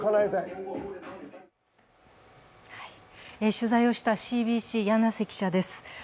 取材をしたＣＢＣ、柳瀬記者です。